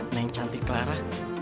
neng cantik clara